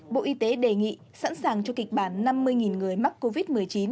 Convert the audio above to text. bộ y tế đề nghị sẵn sàng cho kịch bản năm mươi người mắc covid một mươi chín